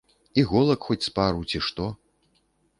Іголак хоць з пару, ці што?